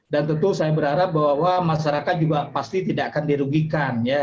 tentu saya berharap bahwa masyarakat juga pasti tidak akan dirugikan ya